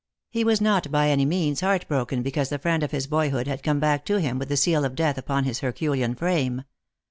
He was not by any means heartbroken because the friend of his boyhood had come back to him with the seal of death upon his herculean frame.